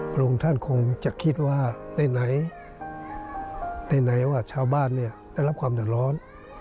พระองค์ท่านคงจะคิดว่าไหนไหนว่าชาวบ้านเนี่ยได้รับความเดือดร้อน